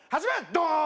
ドーーン！